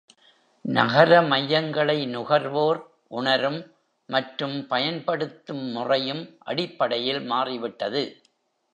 நகர மையங்களை நுகர்வோர் உணரும் மற்றும் பயன்படுத்தும் முறையும் அடிப்படையில் மாறிவிட்டது.